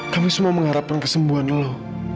kami semua mengharapkan kesembuhan lo